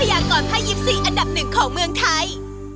อันดับ๑ของเมืองไทย